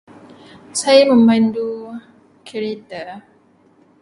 Saya memandu kereta.